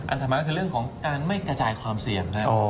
อันธรรมานก็คือเรื่องของการไม่กระจายความเสี่ยง